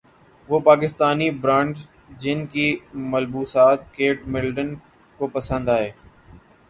وہ پاکستانی برانڈز جن کے ملبوسات کیٹ مڈلٹن کو پسند ائے